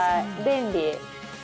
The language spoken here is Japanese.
便利。